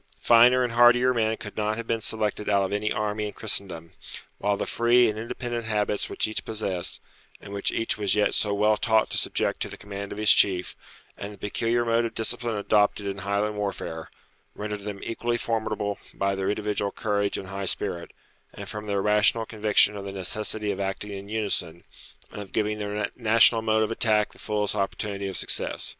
Finer and hardier men could not have been selected out of any army in Christendom; while the free and independent habits which each possessed, and which each was yet so well taught to subject to the command of his chief, and the peculiar mode of discipline adopted in Highland warfare, rendered them equally formidable by their individual courage and high spirit, and from their rational conviction of the necessity of acting in unison, and of giving their national mode of attack the fullest opportunity of success.